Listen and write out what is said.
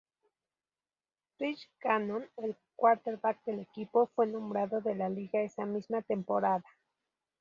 Rich Gannon, el quarterback del equipo, fue nombrado de la liga esa misma temporada.